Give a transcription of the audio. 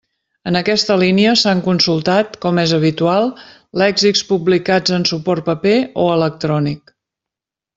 En aquesta línia, s'han consultat, com és habitual, lèxics publicats en suport paper o electrònic.